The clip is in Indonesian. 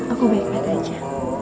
aku baik baik saja